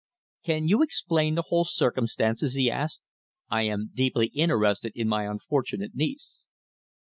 "Can you explain the whole circumstances?" he asked. "I am deeply interested in my unfortunate niece."